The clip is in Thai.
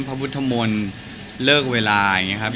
พระพุทธมนต์เลิกเวลาอย่างนี้ครับ